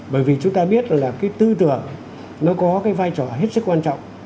bởi vì chúng ta biết là cái tư tưởng nó có cái vai trò hết sức quan trọng